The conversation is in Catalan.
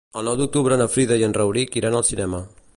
El nou d'octubre na Frida i en Rauric iran al cinema.